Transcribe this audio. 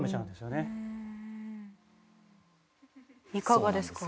いかがですか？